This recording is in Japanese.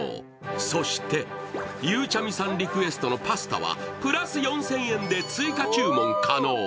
そして、ゆうちゃみさんリクエストのパスタはプラス４０００円で追加注文可能。